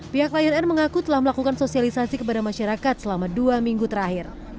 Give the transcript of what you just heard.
pihak lion air mengaku telah melakukan sosialisasi kepada masyarakat selama dua minggu terakhir